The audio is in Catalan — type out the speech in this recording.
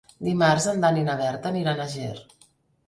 Dimarts en Dan i na Berta aniran a Ger.